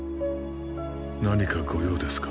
何か御用ですか？